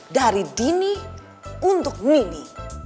dari dini untuk mini